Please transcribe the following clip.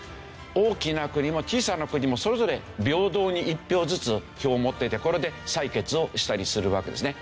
大きな国も小さな国もそれぞれ平等に１票ずつ票を持っててこれで採決をしたりするわけですね。